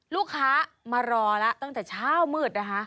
ลูกค้ามารอแล้วตั้งแต่เช้ามืดนะคะ